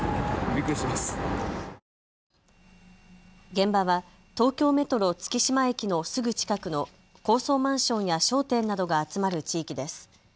現場は東京メトロ月島駅のすぐ近くの高層マンションや商店などが集まる地域です。